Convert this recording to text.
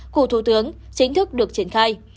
cụ thủ tướng chính thức được triển khai